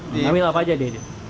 mengambil apa aja dia